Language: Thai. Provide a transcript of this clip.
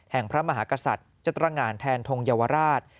พระมหากษัตริย์จัตรงานแทนทงเยาวราช